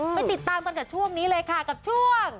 ไปติดตามกันกับช่วงนี้เลยค่ะกับช่วง